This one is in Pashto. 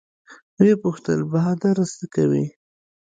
ويې پوښتل بهادره سه کې.